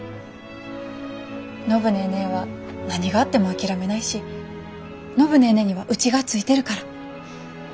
暢ネーネーは何があっても諦めないし暢ネーネーにはうちがついてるから。